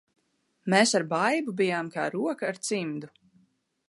Mēs ar Baibu bijām kā roka ar cimdu.